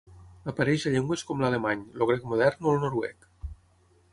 Apareix a llengües com l'alemany, el grec modern o el noruec.